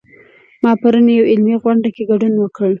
ما پرون یوه علمي غونډه کې ګډون وکړ